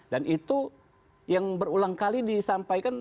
dan itu yang berulang kali disampaikan